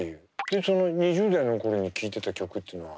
でその２０代の頃に聴いてた曲っていうのは。